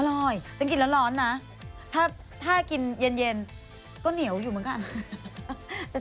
อร่อยแต่กลิ่นแล้วร้อนนะถ้ากินเย็นก็เหนียวอยู่เหมือนกัน